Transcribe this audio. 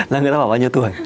là người ta bảo bao nhiêu tuổi